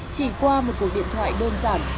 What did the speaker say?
chỉ qua một cuộc điện thoại đơn giản